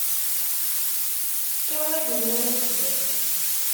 Efk awal-nni uffir.